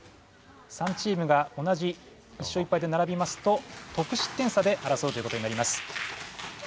３チームが同じ１勝１ぱいでならびますと得失点差であらそうということになります。